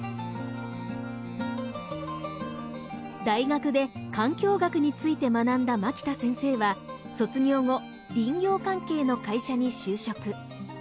大学で環境学について学んだ牧田先生は卒業後林業関係の会社に就職。